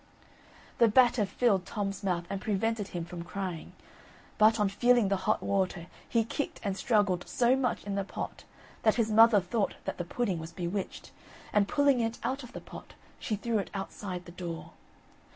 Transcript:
The batter filled Tom's mouth, and prevented him from crying; but, on feeling the hot water, he kicked and struggled so much in the pot, that his mother thought that the pudding was bewitched, and, pulling it out of the pot, she threw it outside the door.